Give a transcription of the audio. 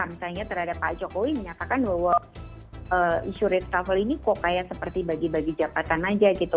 misalnya terhadap pak jokowi menyatakan bahwa isu reshuffle ini kok kayak seperti bagi bagi jabatan aja gitu